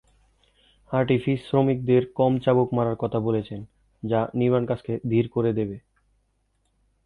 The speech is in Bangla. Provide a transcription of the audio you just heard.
আর্টিফিস শ্রমিকদের কম চাবুক মারার কথা বলেছেন, যা নির্মাণ কাজকে ধীর করে দেবে।